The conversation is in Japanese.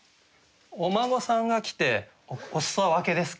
お孫さんが来て「おすそわけです」。